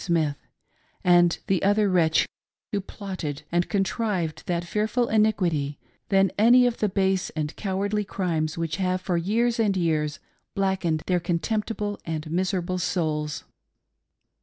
Smith, and the other wretch who plotted and contrived that fearful iniquity, than any of the base and cowardly crimes which have for years and years blackened 'their contemptible and miserable souls.